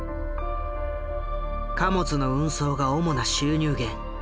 貨物の運送が主な収入源。